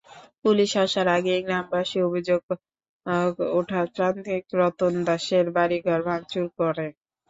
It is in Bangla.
পুলিশ আসার আগেই গ্রামবাসী অভিযোগ ওঠা তান্ত্রিক রতন দাসের বাড়িঘর ভাঙচুর করে।